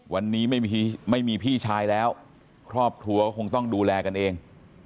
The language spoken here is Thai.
วันนี้ไม่มีพี่ชายแล้วครอบครัวก็คงต้องดูแลกันเอง